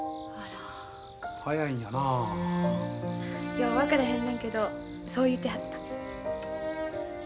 よう分からへんねんけどそう言うてはった。